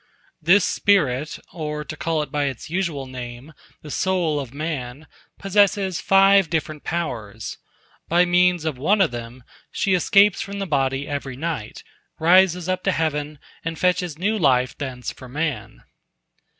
This spirit, or, to call it by its usual name, the soul of man, possesses five different powers. By means of one of them she escapes from the body every night, rises up to heaven, and fetches new life thence for man.